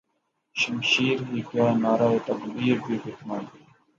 شمشیر ہی کیا نعرہ تکبیر بھی فتنہ